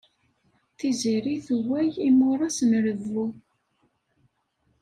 Tiziri tuwey imuras n rebbu.